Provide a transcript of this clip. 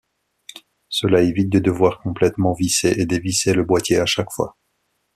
Cela évite de devoir complètement visser et dévisser le boîtier à chaque fois.